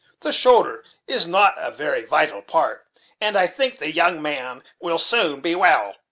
The shoulder is not a very vital part; and I think the young man will soon be well.